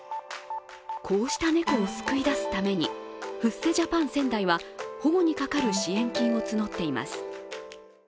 こうした猫を救い出すためにフッセジャパン仙台は保護にかかる支援金を募っています。